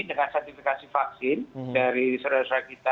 dengan sertifikasi vaksin dari saudara saudara kita